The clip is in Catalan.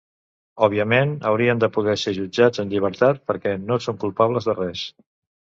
Òbviament, haurien de poder ser jutjats en llibertat, perquè no són culpables de res.